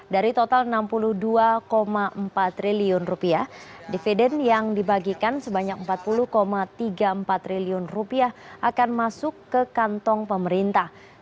dari total rp enam puluh dua empat triliun dividen yang dibagikan sebanyak empat puluh tiga puluh empat triliun rupiah akan masuk ke kantong pemerintah